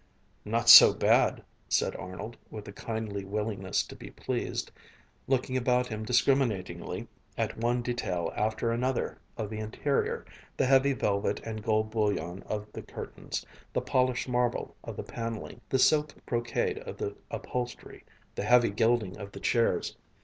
"Not so bad," said Arnold, with a kindly willingness to be pleased, looking about him discriminatingly at one detail after another of the interior, the heavy velvet and gold bullion of the curtains, the polished marble of the paneling, the silk brocade of the upholstery, the heavy gilding of the chairs....